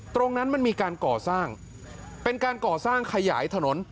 ตรงนั้นมันมีการก่อสร้างเป็นการก่อสร้างขยายถนน